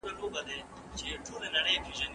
لښتې په خپل زړه کې د صبر او زغم یوه لویه کلا جوړه کړه.